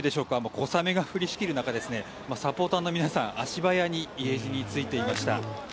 小雨が降りしきる中サポーターの皆さん足早に家路に就いていました。